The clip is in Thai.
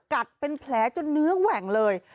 เป็นแผลจนเนื้อแหว่งเลย